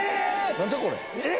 何じゃこれ。